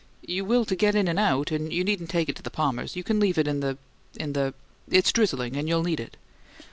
"You will to get in and out, and you needn't take it into the Palmers'. You can leave it in the in the It's drizzling, and you'll need it."